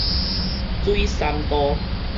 水杉道